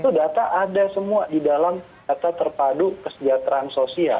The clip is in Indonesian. itu data ada semua di dalam data terpadu kesejahteraan sosial